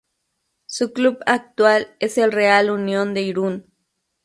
Su club actual es el Real Unión de Irún.